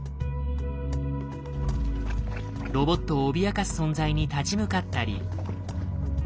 ロボットを脅かす存在に立ち向かったり。